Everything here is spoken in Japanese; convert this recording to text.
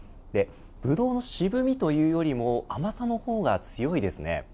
ブドウの渋味というよりも甘さの方が強いですね。